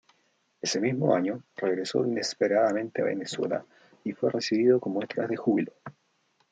Ese mismo año, regresó inesperadamente a Venezuela y fue recibido con muestras de júbilo.